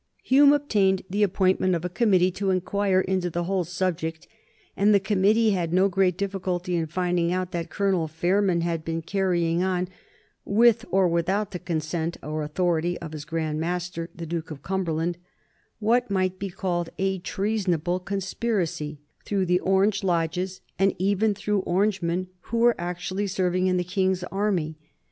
Hume obtained the appointment of a committee to inquire into the whole subject, and the committee had no great difficulty in finding out that Colonel Fairman had been carrying on, with or without the consent or authority of his Grand Master the Duke of Cumberland, what must be called a treasonable conspiracy through the Orange lodges and even through Orangemen who were actually serving in the King's Army.